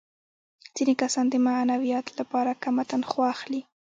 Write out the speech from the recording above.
ځینې کسان د معنویاتو لپاره کمه تنخوا اخلي